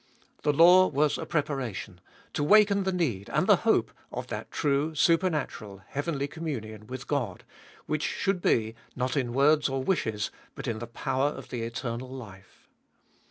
The law was a preparation, to waken the need and the hope, of that true, supernatural, heavenly communion with God, which should be, not in words or wishes, but in the power of the eternal life.